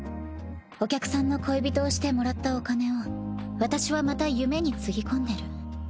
お客さんの恋人をしてもらったお金を私はまた夢につぎ込んでる。